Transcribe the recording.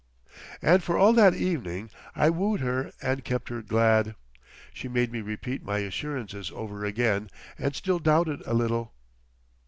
And for all that evening I wooed her and kept her glad. She made me repeat my assurances over again and still doubted a little.